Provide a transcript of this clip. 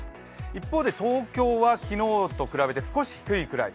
一方で東京は昨日と比べて少し低いくらい。